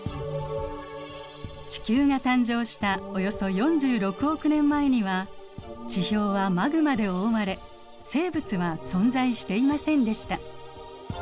地球が誕生したおよそ４６億年前には地表はマグマで覆われ生物は存在していませんでした。